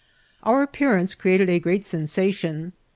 Our appearance created a great sensa tion.